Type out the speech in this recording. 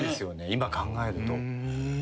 今考えると。